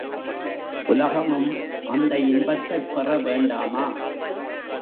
உலகமும் அந்த இன்பத்தைப் பெற வேண்டாமா?